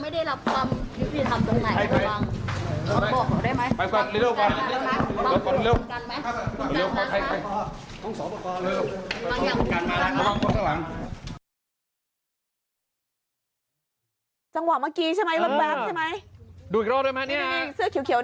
ดูอีกรอดเลยมั้ยเนี่ยเสื้อเขียวนะ